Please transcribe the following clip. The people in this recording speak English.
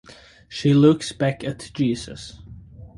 She looks back at Jesus.